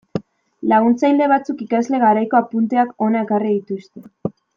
Laguntzaile batzuk ikasle garaiko apunteak hona ekarri dituzte.